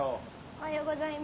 おはようございます。